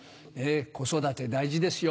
子育て大事ですよ